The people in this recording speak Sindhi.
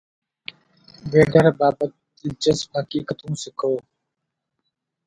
Vader بابت دلچسپ حقيقتون سکو